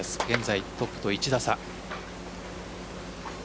現在、トップと１打差。